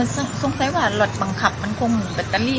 สุดท้ายสุดท้ายสุดท้ายสุดท้าย